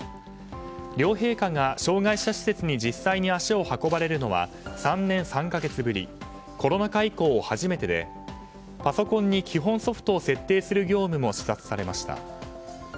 両陛下が障害者施設に実際に足を運ばれるのは３年３か月ぶりコロナ禍以降初めてでパソコンに基本ソフトを設定する業務も視察されました。